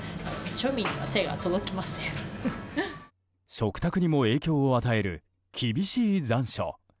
食卓にも影響を与える厳しい残暑。